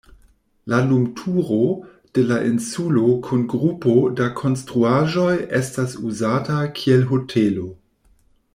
La lumturo de la insulo kun grupo da konstruaĵoj etas uzata kiel hotelo.